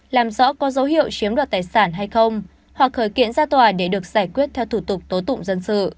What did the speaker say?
làm rõ có dấu hiệu chiếm đoạt tài sản hay không hoặc khởi kiện ra tòa để được giải quyết theo thủ tục tố tụng dân sự